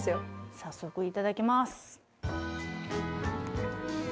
早速いただきます。